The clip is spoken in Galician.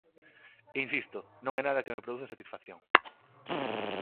Insisto, non é nada que me produza satisfacción.